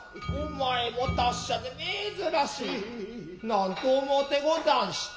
何と思うてござんした。